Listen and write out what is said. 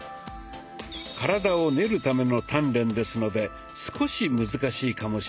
「体を練るための鍛錬」ですので少し難しいかもしれませんよ。